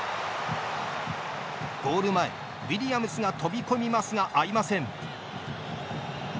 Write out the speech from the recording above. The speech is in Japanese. ゴール前、ウィリアムスが飛び込みますが、合いません。